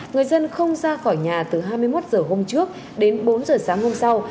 người dân không ra khỏi nhà từ hai mươi một h hôm trước đến bốn h sáng hôm sau